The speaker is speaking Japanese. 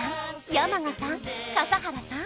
山家さん笠原さん